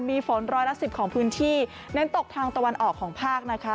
มีฝนร้อยละสิบของพื้นที่เน้นตกทางตะวันออกของภาคนะคะ